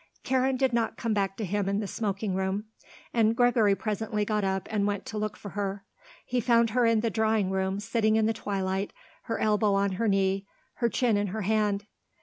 Karen did not come back to him in the smoking room and Gregory presently got up and went to look for her. He found her in the drawing room, sitting in the twilight, her elbow on her knee, her chin in her hand.